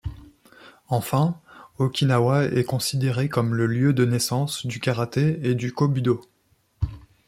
Enfin, Okinawa est considérée comme le lieu de naissance du karaté et du Kobudo.